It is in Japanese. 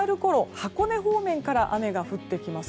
箱根方面から雨が降ってきます。